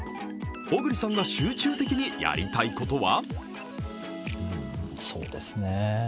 小栗さんが集中にやりたいことは？